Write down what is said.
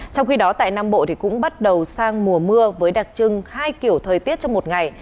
trong khi đó tại nam bộ cũng bắt đầu sang mùa mưa với đặc trưng hai kiểu thời tiết trong một ngày